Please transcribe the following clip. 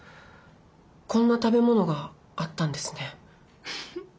こんな食べ物があったんですね。